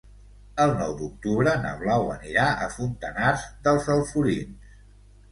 El nou d'octubre na Blau anirà a Fontanars dels Alforins.